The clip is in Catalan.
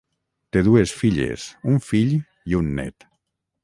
Té dues filles, un fill i un nét.